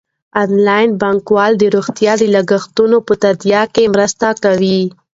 انلاین بانکوالي د روغتیايي لګښتونو په تادیه کې مرسته کوي.